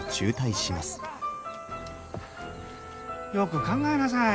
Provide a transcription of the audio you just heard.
よく考えなさい。